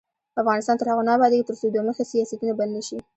افغانستان تر هغو نه ابادیږي، ترڅو دوه مخي سیاستونه بند نشي.